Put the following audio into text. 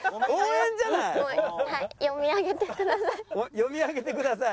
「読み上げてください」。